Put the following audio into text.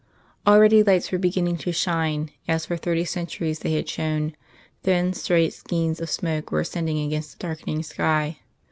Already lights were beginning to shine, as for thirty centuries they had shone; thin straight skeins of smoke were ascending against the darkening sky.